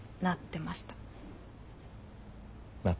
なってました？